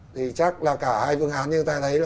thì chắc là cả hai phương án như ta thấy là